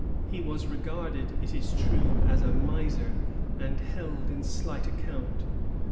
He was regarded, it is true, as a miser, and held in slight account.